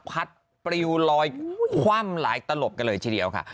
พัดปริวลอยคว่ำหลายตลบกันเลยทีเดียวค่ะ